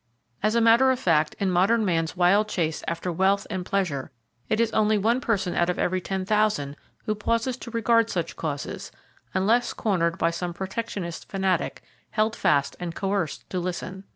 As a matter of fact, in modern man's wild chase after wealth and pleasure, it is only one person out of every ten thousand who pauses to regard such causes, unless cornered by some protectionist fanatic, held fast and coerced to listen.